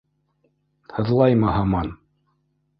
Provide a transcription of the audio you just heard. — Һыҙлаймы һаман?